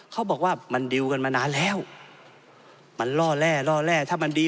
เขาบอกว่ามันดิวกันมานานแล้วมันล่อแร่ล่อแร่ถ้ามันดี